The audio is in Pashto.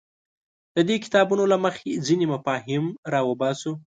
د دې کتابونو له مخې ځینې مفاهیم راوباسو.